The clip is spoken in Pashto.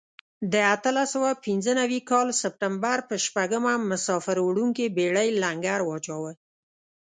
د اتلس سوه پنځه نوي کال سپټمبر په شپږمه مسافر وړونکې بېړۍ لنګر واچاوه.